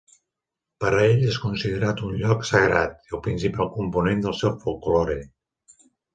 Per a ells és considerat un lloc sagrat, i el principal component del seu folklore.